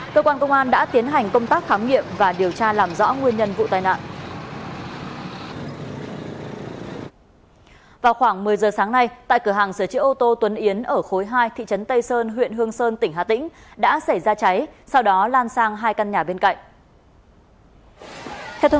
cơ quan công an đã tiến hành công tác khám nghiệm và điều tra làm rõ nguyên nhân vụ tai nạn